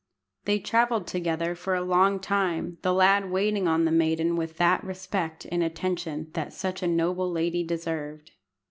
They travelled together for a long time, the lad waiting on the maiden with that respect and attention that such a noble lady deserved.